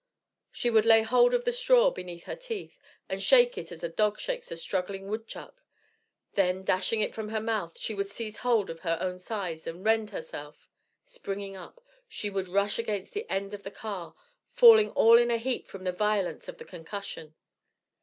She would lay hold of the straw with her teeth, and shake it as a dog shakes a struggling woodchuck; then dashing it from her mouth, she would seize hold of her own sides, and rend herself. Springing up, she would rush against the end of the car, falling all in a heap from the violence of the concussion.